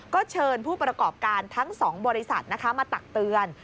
ก็เชิญผู้ประกอบการทั้ง๒บริษัทนะคะมาตักเตือน